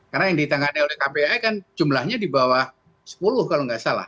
karena yang ditangani oleh kpai kan jumlahnya di bawah sepuluh kalau nggak salah